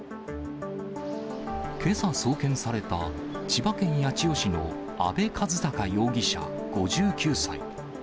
けさ送検された千葉県八千代市の阿部一貴容疑者５９歳。